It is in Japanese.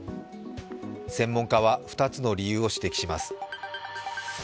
専門家は、２つの理由を指摘します。